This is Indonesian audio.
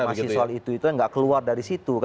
masih soal itu itu yang nggak keluar dari situ